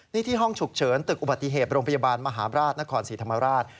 นี่ที่ห้องฉุกเฉินตึกอุบัติเหตุโรงพยาบาลมหาบราชนครศรีธรรมราช